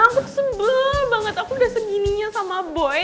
gue sebel banget aku udah segininya sama boy